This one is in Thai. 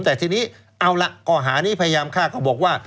แต่ทีนี้เอาละข้อหานี้พยายามฆ่าก็บอกว่า